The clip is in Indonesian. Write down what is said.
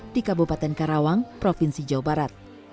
di kabupaten karawang provinsi jawa barat